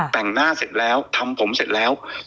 แต่งหน้าเสร็จแล้วทำผมเสร็จแล้ว